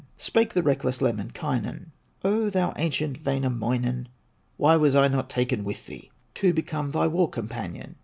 Spake the reckless Lemminkainen "O thou ancient Wainamoinen, Why was I not taken with thee To become thy war companion?